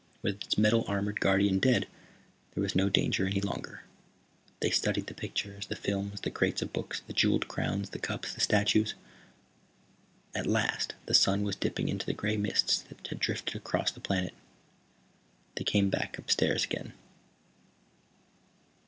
With its metal armored guardian dead there was no danger any longer. They studied the pictures, the films, the crates of books, the jeweled crowns, the cups, the statues. At last, as the sun was dipping into the gray mists that drifted across the planet they came back up the stairs again.